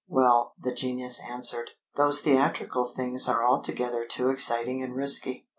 "Well," the genius answered. "Those theatrical things are altogether too exciting and risky!